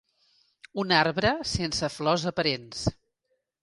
Un arbre sense flors aparents.